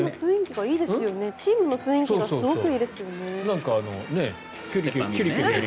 チームの雰囲気がすごくいいですよね。